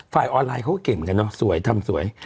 ออนไลน์เขาก็เก่งเหมือนกันเนอะสวยทำสวย